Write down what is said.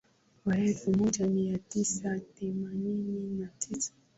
Wa elfu moja mia tisa themanini na tisa